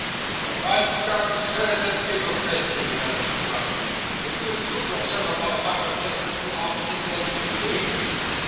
'But by G , sir, there is offence,' said the other, interrupting him, 'when you intrude yourself upon a couple of gentlemen who are particularly engaged.